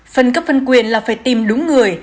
phân cấp phân quyền là phải tìm đúng người